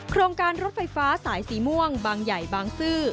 โครงการรถไฟฟ้าสายสีม่วงบางใหญ่บางซื่อ